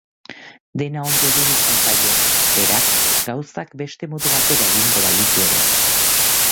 Dena ondo iruditzen zaio, berak gauzak beste modu batera egingo balitu ere.